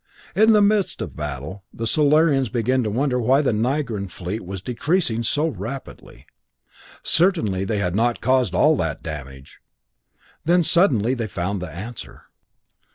In the midst of the battle, the Solarians began to wonder why the Nigran fleet was decreasing so rapidly certainly they had not caused all that damage! Then suddenly they found the answer.